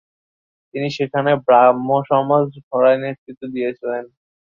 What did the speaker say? তিনি সেখানে ব্রাহ্মসমাজ গড়ায় নেতৃত্ব দিয়েছিলেন।